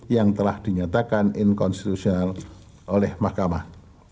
yang telah dinyatakan inkonstitusional oleh mahkamah